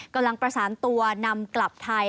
กำลังประสานตัวนำกลับไทย